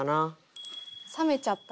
「冷めちゃったよ」。